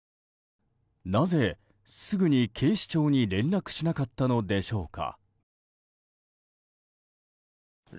なぜ、すぐに警視庁に連絡しなかったのでしょうか。